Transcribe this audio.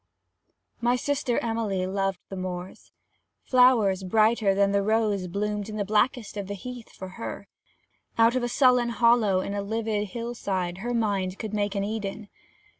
My sister Emily loved the moors. Flowers brighter than the rose bloomed in the blackest of the heath for her; out of a sullen hollow in a livid hill side her mind could make an Eden.